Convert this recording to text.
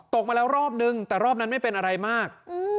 มาแล้วรอบนึงแต่รอบนั้นไม่เป็นอะไรมาก